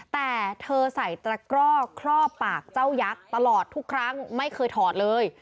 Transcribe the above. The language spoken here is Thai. แต่เธอใส่ตระกร่อครอบปากเจ้ายักษ์ตลอดทุกครั้งไม่เคยถอดเลย